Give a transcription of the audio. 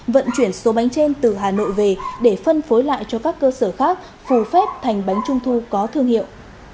vận chuyển số bánh trên từ hà nội về để phân phối lại cho các cơ sở khác phù phép thành bánh trung thu có thương hiệu